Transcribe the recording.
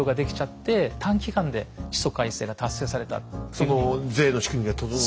その税の仕組みが整った。